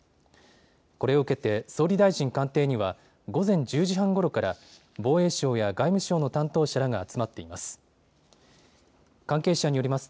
これを受けて総理大臣官邸には午前１０時半ごろから防衛省や外務省の担当者らが集まっています。